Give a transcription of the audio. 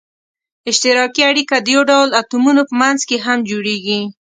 اشتراکي اړیکه د یو ډول اتومونو په منځ کې هم جوړیږي.